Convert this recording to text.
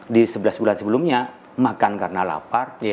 di sebelas bulan sebelumnya makan karena lapar